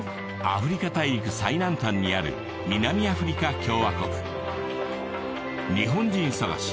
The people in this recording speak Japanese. アフリカ大陸最南端にある南アフリカ共和国日本人探し